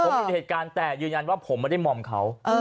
ผมอยู่ในเหตุการณ์แต่ยืนยันว่าผมไม่ได้มอมเขา